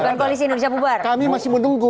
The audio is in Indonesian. bukan koalisi indonesia bubar kami masih menunggu